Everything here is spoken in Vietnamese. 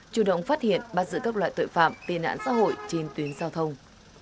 chủ động phát hiện bắt giữ các loại tội phạm tên ạn xã hội trên tuyến giao thông